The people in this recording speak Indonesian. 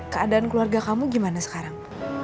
keadaan keluarga kamu gimana sekarang